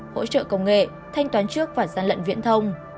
hỗ trợ công nghệ thanh toán trước và gian lận viễn thông